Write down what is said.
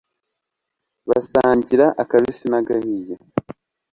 basangira akabisi n'agahiye